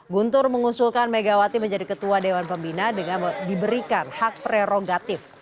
guntur mengusulkan megawati menjadi ketua dewan pembina dengan diberikan hak prerogatif